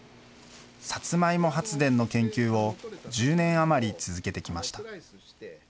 サツマイモ発電の研究を１０年余り続けてきました。